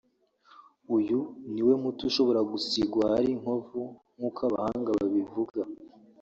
Uyu ni wo muti ushobora gusigwa ahari inkovu nkuko abahanga babivuga